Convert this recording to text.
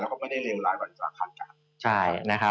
แล้วก็ไม่ได้เลวร้ายกว่าคาดการณ์